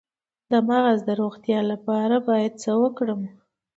د مغز د روغتیا لپاره باید څه وکړم؟